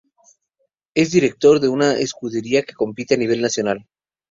Es director de una escudería que compite a nivel nacional.